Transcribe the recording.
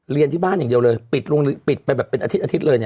เรียนที่บ้านอย่างเดียวเลยปิดไปแบบเป็นอาทิตอาทิตย์เลยเนี่ย